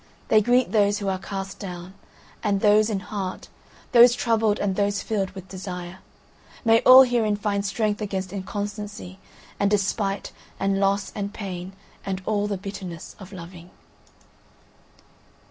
They greet those who are cast down, and those in heart, those troubled and those filled with desire. May all herein find strength against inconstancy and despite and loss and pain and all the bitterness of loving.